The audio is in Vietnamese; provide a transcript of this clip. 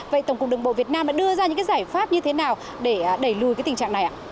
vậy tổng cục đường bộ việt nam đã đưa ra những cái giải pháp như thế nào để đẩy lùi cái tình trạng này ạ